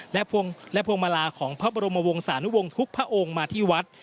และพวงมาลาของพระบรมวงศานุวงศ์ทุกพระองค์มาที่วัด